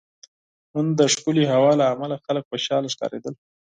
نن دښکلی هوا له عمله خلک خوشحاله ښکاریدل